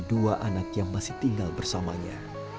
dua anak yang masih tinggal bersamanya